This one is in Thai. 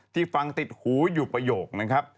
ฟังติดหูอยู่ประโยคนะครับ